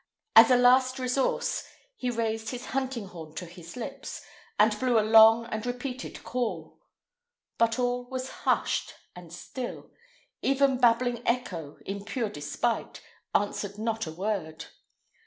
As a last resource, he raised his hunting horn to his lips, and blew a long and repeated call; but all was hushed and still: even babbling Echo, in pure despite, answered not a word.